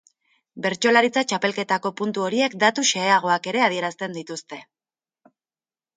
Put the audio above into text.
Bertsolaritza txapelketako puntu horiek datu xeheagoak ere adierazten dituzte.